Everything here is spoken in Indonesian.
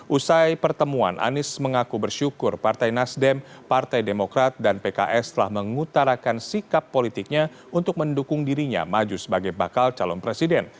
usai pertemuan anies mengaku bersyukur partai nasdem partai demokrat dan pks telah mengutarakan sikap politiknya untuk mendukung dirinya maju sebagai bakal calon presiden